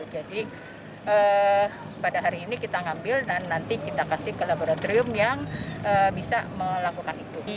jadi pada hari ini kita ngambil dan nanti kita kasih ke laboratorium yang bisa melakukan itu